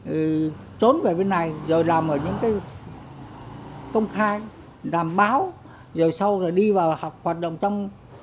rồi trốn về bên này rồi làm ở những cái công khai làm báo rồi sau rồi đi vào học hoạt động trong